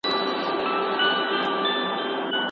ټولنپوهنه په ټولنه کې د انحرافاتو مخه نه نیسي.